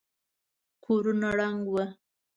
کورونه ړنګ ول.